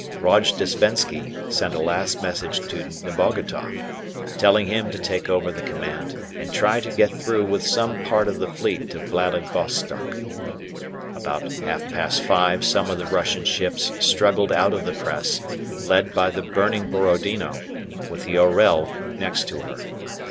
Rojdestvensky sent a last message to Nebogatoff, telling him to take over the command and try to get through with some part of the fleet to Vladivostock. About half past five some of the Russian ships struggled out of the press, led by the burning "Borodino," with the "Orel" next to her.